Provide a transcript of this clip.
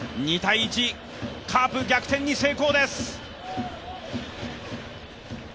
２−１、カープ、逆転に成功です。